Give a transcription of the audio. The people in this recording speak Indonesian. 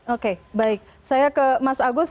oke baik saya ke mas agus